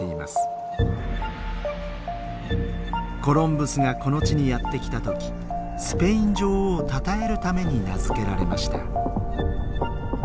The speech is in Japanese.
コロンブスがこの地にやって来たときスペイン女王をたたえるために名付けられました。